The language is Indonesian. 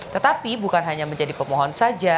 tetapi bukan hanya menjadi pemohon saja